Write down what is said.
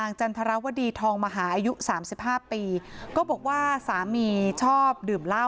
นางจันทรวดีทองมภาอายุ๓๕ปีก็บอกว่าสามีชอบดื่มเหล้าค่ะ